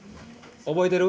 覚えてる？